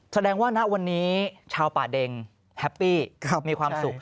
แสดงว่าณวันนี้ชาวป่าเด็งแฮปปี้มีความสุข